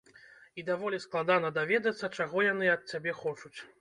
І даволі складана даведацца, чаго яны ад цябе хочуць.